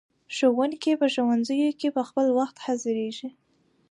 ښوونکي په ښوونځیو کې په خپل وخت حاضریږي.